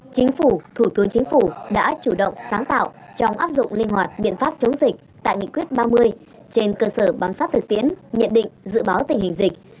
chính phủ thủ tướng chính phủ đã chủ động sáng tạo trong áp dụng linh hoạt biện pháp chống dịch tại nghị quyết ba mươi trên cơ sở bám sát thực tiễn nhận định dự báo tình hình dịch